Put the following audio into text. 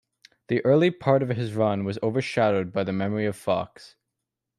The early part of his run was overshadowed by the memory of Fox.